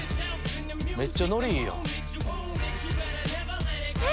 めっちゃノリいいやん。え？